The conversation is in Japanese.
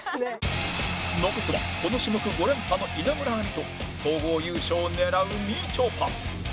残すはこの種目５連覇の稲村亜美と総合優勝を狙うみちょぱ